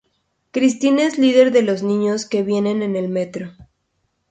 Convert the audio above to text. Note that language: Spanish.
Cristina es la líder de los niños que viven en el metro.